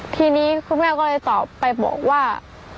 ทีนี้คุณแม่ก็เลยตอบไปบอกว่า